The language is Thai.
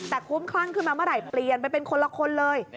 แต่คุ้มคลั่งขึ้นมาเมื่อไหร่เปลี่ยนไปเป็นคนละคนเลย